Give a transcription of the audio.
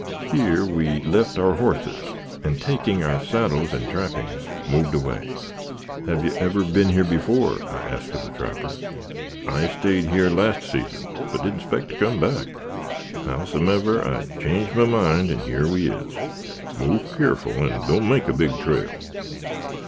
Here we left our horses, and, taking our saddles and trappings, moved away. "Have you ever been here before?" I asked of the trapper. "I stayed yer last season, but didn't 'spect to come back. Howsumever, I changed my mind, and yer we is. Move keerful and don't make a big trail."